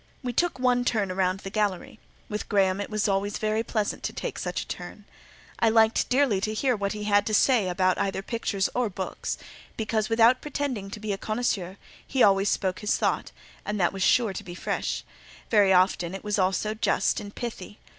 We took one turn round the gallery; with Graham it was very pleasant to take such a turn. I always liked dearly to hear what he had to say about either pictures or books; because without pretending to be a connoisseur, he always spoke his thought, and that was sure to be fresh: very often it was also just and pithy.